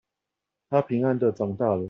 她平安的長大了